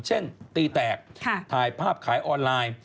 ตีแตกถ่ายภาพขายออนไลน์